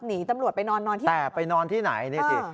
หนีตำรวจไปนอนนอนที่ไหนแต่ไปนอนที่ไหนนี่สิ